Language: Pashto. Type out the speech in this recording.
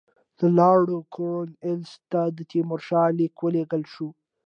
د لارډ کورنوالیس ته د تیمورشاه لیک ولېږل شو.